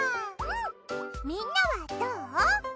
うんみんなはどう？